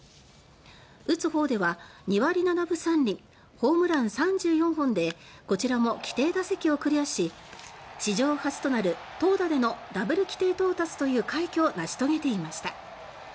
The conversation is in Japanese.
打つ方では２割７分３厘ホームラン３４本でこちらも規定打席をクリアし史上初となる投打での「ダブル規定到達」という快挙を成し遂げていました。